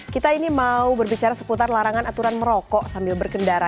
kita ini mau berbicara seputar larangan aturan merokok sambil berkendara